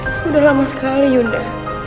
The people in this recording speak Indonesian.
sudah lama sekali yunda